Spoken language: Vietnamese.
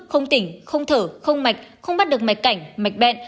không tỉnh không thở không mạch không bắt được mạch cảnh mạch bẹn